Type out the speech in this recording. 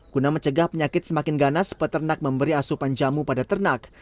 guna mencegah penyakit semakin ganas peternak memberi asupan jamu pada ternak